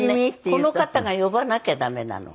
この方が呼ばなきゃ駄目なの。